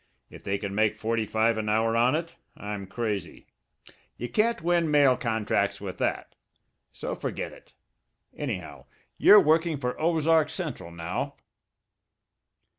If they can make forty five an hour on it, I'm crazy. You can't win mail contracts with that. So forget it. Anyhow, you're working for the Ozark Central now."